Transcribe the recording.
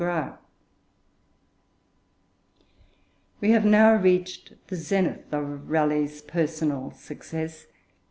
We have now reached the zenith of Raleigh's personal success.